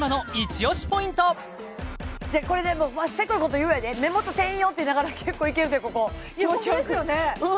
これねセコイこと言うようやで目元専用っていいながら結構いけるでここ気持ちよくホントですよね